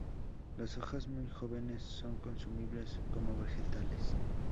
Las hojas muy jóvenes son consumibles como vegetales.